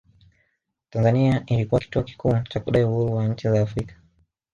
Tanzania ilikuwa kituo kikuu cha kudai uhuru wa nchi za Afrika